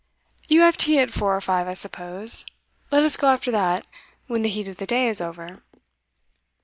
'You have tea at four or five, I suppose. Let us go after that, when the heat of the day is over.